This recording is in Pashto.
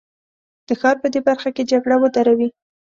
د ښار په دې برخه کې جګړه ودروي.